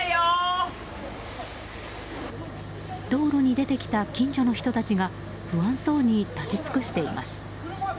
道路に出てきた近所の人たちが不安そうに立ち尽くしています。